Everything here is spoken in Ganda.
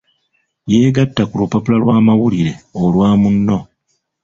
Yeegatta ku lupapula lw'amawulire olwa Munno.